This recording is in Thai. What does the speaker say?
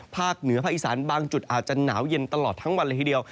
เหนือภาคอีสานบางจุดอาจจะหนาวเย็นตลอดทั้งวันเลยทีเดียว